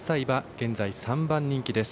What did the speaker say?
現在、３番人気です。